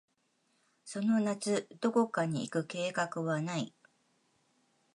その夏、どこかに行く計画はない。